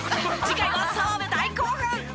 次回は澤部大興奮！